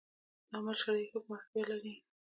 دا عمل شرعي حکم اړتیا لري